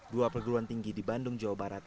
dua perguruan tinggi di bandung jawa barat